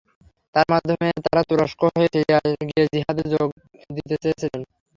তাঁর মাধ্যমে তাঁরা তুরস্ক হয়ে সিরিয়ায় গিয়ে জিহাদে যোগ দিতে চেয়েছিলেন।